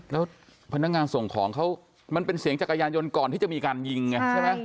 แล้วพนักงานส่งของเขามันเป็นเสียงจักรยานยนต์ก่อนที่จะมีการยิงไงใช่ไหม